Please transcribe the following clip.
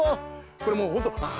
これもうほんとあ